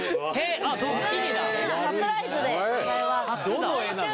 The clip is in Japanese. どの絵なの？